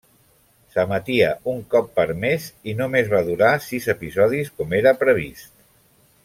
S'emetia un cop per mes i només va durar sis episodis com era previst.